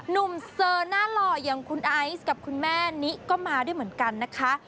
เซอร์หน้าหล่ออย่างคุณไอซ์กับคุณแม่นิก็มาด้วยเหมือนกันนะคะ